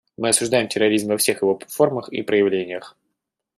Мы осуждаем терроризм во всех его формах и проявлениях.